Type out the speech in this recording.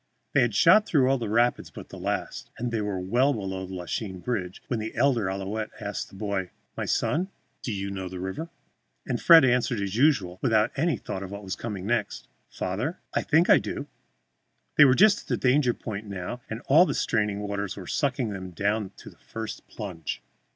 They had shot through all the rapids but the last, and were well below the Lachine bridge when the elder Ouillette asked the boy, "My son, do you know the river?" And Fred answered as usual, without any thought of what was coming next, "Father, I think I do." They were just at the danger point now, and all the straining waters were sucking them down to the first plunge.